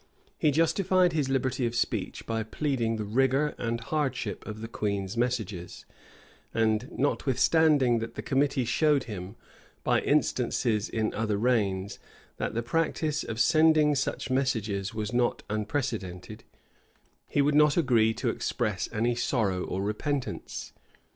[] He justified his liberty of speech by pleading the rigor and hardship of the queen's messages; and notwithstanding that the committee showed him, by instances in other reigns, that the practice of sending such messages was not unprecedented, he would not agree to express any sorrow or repentance.